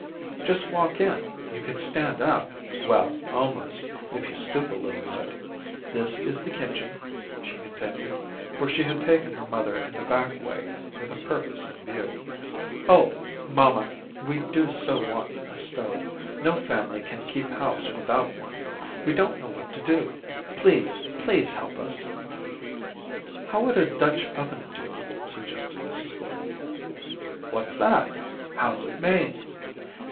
"Just walk in. You can stand up well, almost if you stoop a little bit. This is the kitchen," she continued, for she had taken her mother in the back way with a purpose in view. "Oh, mamma, we do so want a stove. No family can keep house without one. We don't know what to do. Please, please help us." "How would a Dutch oven do?" suggested Mrs. Gordon. "What's that? How's it made?"